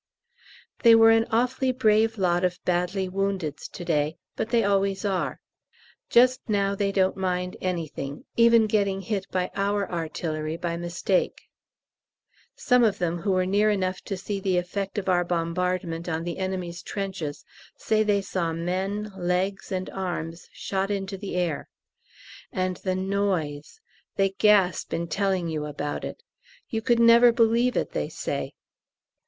They were an awfully brave lot of badly woundeds to day, but they always are. Just now they don't mind anything even getting hit by our artillery by mistake. Some of them who were near enough to see the effect of our bombardment on the enemy's trenches say they saw men, legs, and arms shot into the air. And the noise! they gasp in telling you about it. "You could never believe it," they say.